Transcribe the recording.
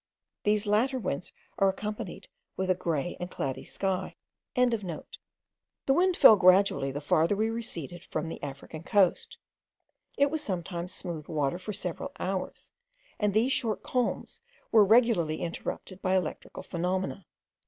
These latter winds are accompanied with a grey and cloudy sky.) The wind fell gradually the farther we receded from the African coast: it was sometimes smooth water for several hours, and these short calms were regularly interrupted by electrical phenomena.